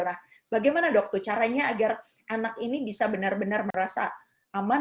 nah bagaimana dok tuh caranya agar anak ini bisa benar benar merasa aman